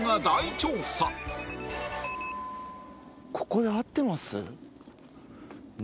ここであってます？